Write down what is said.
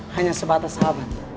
hanya sebatas sahabat